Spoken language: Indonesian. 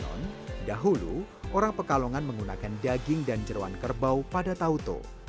konon dahulu orang pekalongan menggunakan daging dan jerawan kerbau pada tauco